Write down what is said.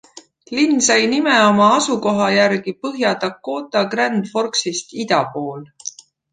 Linn sai nime oma asukoha järgi Põhja-Dakota Grand Forksist ida pool.